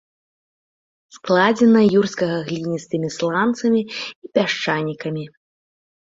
Складзена юрскага гліністымі сланцамі і пясчанікамі.